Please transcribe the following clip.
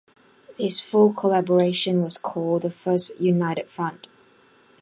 This full collaboration was called the First United Front.